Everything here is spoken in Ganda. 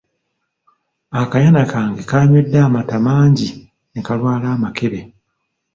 Akayana kange kaanywedde amata mangi ne kalwala amakebe.